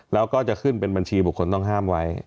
แล้วก็จะขึ้นเป็นบัญชีบุคคลต้องห้ามไว้